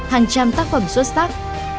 hàng trăm tác phẩm xuất sắc